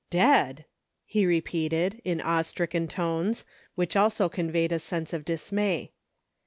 " Dead !" he repeated, in awe stricken tones, which also conveyed a sense of dismay.